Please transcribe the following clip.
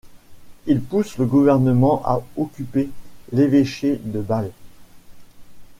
Il pousse le gouvernement à occuper l’évêché de Bâle.